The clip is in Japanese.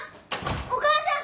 お母さん！